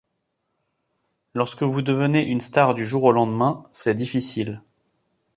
Lorsque vous devenez une star du jour au lendemain, c'est difficile.